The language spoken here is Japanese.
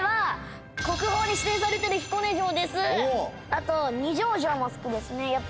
あと二条城も好きですねやっぱ。